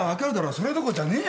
それどころじゃねえよおい！